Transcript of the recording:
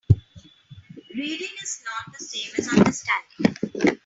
Reading is not the same as understanding.